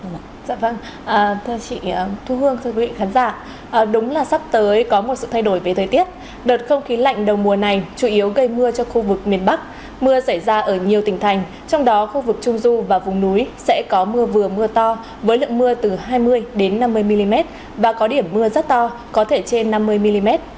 mưa xảy ra ở nhiều tỉnh thành trong đó khu vực trung du và vùng núi sẽ có mưa vừa mưa to với lượng mưa từ hai mươi năm mươi mm và có điểm mưa rất to có thể trên năm mươi mm